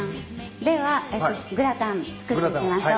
ではグラタン作っていきましょう。